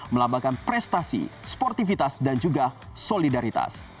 melambangkan prestasi sportivitas dan juga solidaritas